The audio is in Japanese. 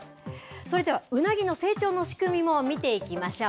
それではウナギの成長の仕組みも見ていきましょう。